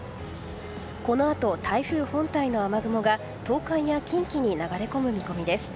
このあと、台風本体の雨雲が東海や近畿に流れ込む見込みです。